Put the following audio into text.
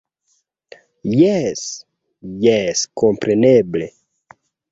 - Jes, jes kompreneble